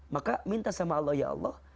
maka minta sama allah ya allah